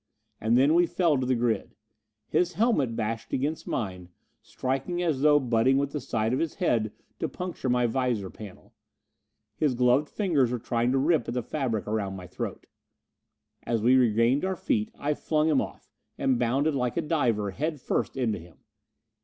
And then we fell to the grid. His helmet bashed against mine, striking as though butting with the side of his head to puncture my visor panel. His gloved fingers were trying to rip at the fabric around my throat. As we regained our feet, I flung him off, and bounded, like a diver, head first into him.